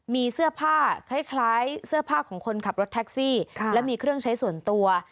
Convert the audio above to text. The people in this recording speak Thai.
มีเสื้อผ้าคล้ายเสื้อผ้าของคนขับรถแท็กซี่และมีเครื่องใช้ส่วนตัว